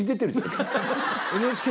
ＮＨＫ